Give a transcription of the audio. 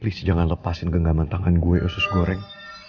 perih jangan lepasin genggaman tangan gue usus goreng